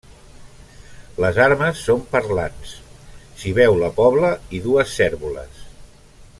Les armes són parlants: s'hi veu la pobla i dues cérvoles.